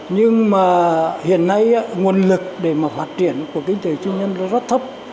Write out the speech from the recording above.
nhưng mà hiện nay nguồn lực để mà phát triển của kinh tế tư nhân nó rất thấp